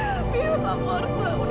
ibu ibu harus bangun